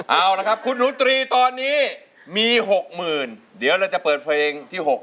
เอาล่ะครับคุณหนุนตรีตอนนี้มีหกหมื่นเดี๋ยวเราจะเปิดเพลงที่หก